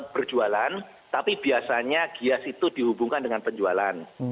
perjualan tapi biasanya bias itu dihubungkan dengan penjualan